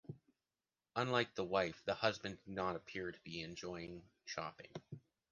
Unlike the wife, the husband did not appear to be enjoying shopping.